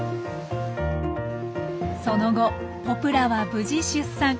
その後ポプラは無事出産。